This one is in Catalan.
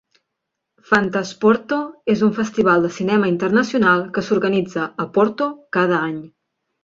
Fantasporto és un festival de cinema internacional que s'organitza a Porto cada any.